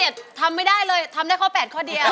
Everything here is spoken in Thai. ไอ้ข้อ๑ถึง๗ทำไม่ได้เลยทำได้ข้อ๘ข้อเดียว